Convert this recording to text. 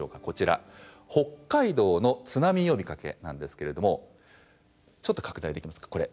こちら北海道の「津波呼びかけ」なんですけれどもちょっと拡大できますか？